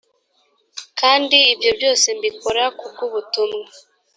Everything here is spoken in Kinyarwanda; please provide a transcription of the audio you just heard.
kandi ibyo byose mbikora ku bw ubutumwa